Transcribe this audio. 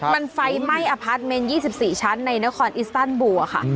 มันไฟไหม้อพาร์ทเมนต์๒๔ชั้นในนครอิสตันบัวค่ะ